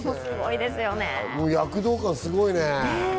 躍動感すごいね。